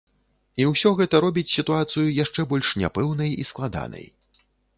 І ўсё гэта робіць сітуацыю яшчэ больш няпэўнай і складанай.